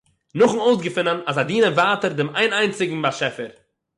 נאָכ'ן אויסגעפונען אַז זיי דינען ווייטער דעם איין-איינציגן באַשעפער